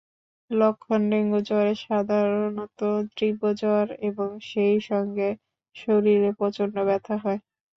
লক্ষণডেঙ্গু জ্বরে সাধারণত তীব্র জ্বর এবং সেই সঙ্গে শরীরে প্রচণ্ড ব্যথা হয়।